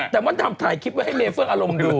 แต่มันถ่ายคลิปให้เมฟเฟิร์กอารมณ์ดู